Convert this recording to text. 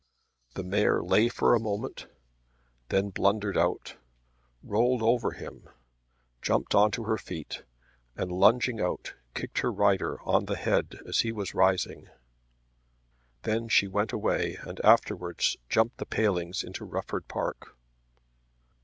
The mare lay for a moment; then blundered out, rolled over him, jumped on to her feet, and lunging out kicked her rider on the head as he was rising. Then she went away and afterwards jumped the palings into Rufford Park.